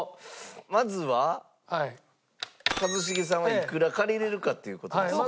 まずは一茂さんはいくら借りられるかっていう事ですね。